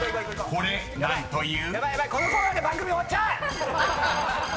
［これ何という？］